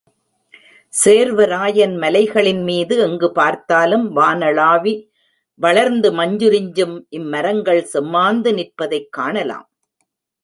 சேர்வராயன் மலைகளின்மீது எங்கு பார்த்தாலும் வானளாவி வளர்ந்து மஞ்சுரிஞ்சும் இம்மரங்கள் செம்மாந்து நிற்பதைக் காணலாம்.